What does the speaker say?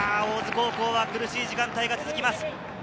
大津高校は苦しい時間帯が続きます。